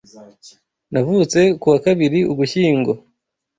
Navutse ku wa kabiri Ugushyingo